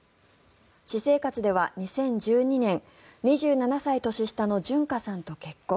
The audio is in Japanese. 私生活では２０１２年２７歳年下の純歌さんと結婚。